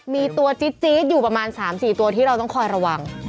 มีตัวจี๊ดอยู่ประมาณ๓๔ตัวที่เราต้องคอยระวัง